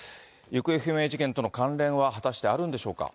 行方不明事件との関連は果たしてあるんでしょうか。